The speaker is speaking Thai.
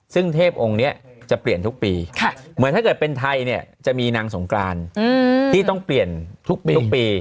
ซึ่งเทพองค์นี้จะเปลี่ยนทุกปีเหมือนถ้าเกิดเป็นไทยเนี่ยจะมีนางสงกรานที่ต้องเปลี่ยนทุกปีทุกปี